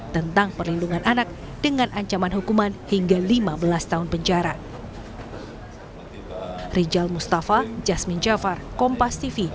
tentang perlindungan anak dengan ancaman hukuman hingga lima belas tahun penjara